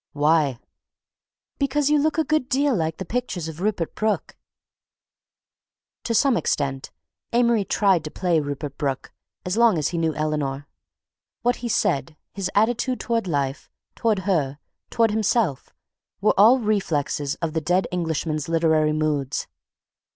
"Why?" "Because you look a good deal like the pictures of Rupert Brooke." To some extent Amory tried to play Rupert Brooke as long as he knew Eleanor. What he said, his attitude toward life, toward her, toward himself, were all reflexes of the dead Englishman's literary moods.